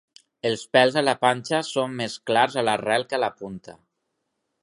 Els pèls a la panxa són més clars a l'arrel que a la punta.